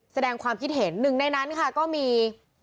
แสดงความคิดเห็นหนึ่งในนั้นค่ะก็มี